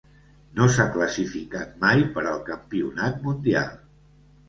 No s'ha classificat mai per al campionat mundial.